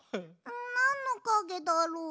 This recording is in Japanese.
なんのかげだろう。